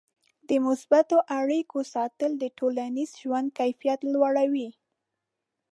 د مثبتو اړیکو ساتل د ټولنیز ژوند کیفیت لوړوي.